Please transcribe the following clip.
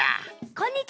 こんにちは！